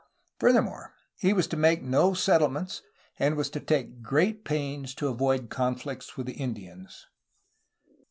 Furthermore, he was to make no settlements and was to take great pains to avoid conflicts with the Indians.